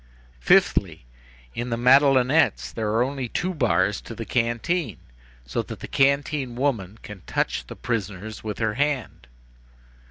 "Fifthly: in the Madelonettes there are only two bars to the canteen, so that the canteen woman can touch the prisoners with her hand.